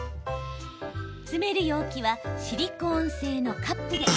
詰める容器はシリコン製のカップで。